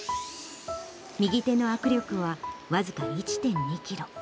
右手の握力は僅か１．２キロ。